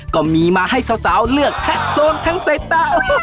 ก็มีมาให้สาวเลือกแท็กโซนทั้งใส่ตา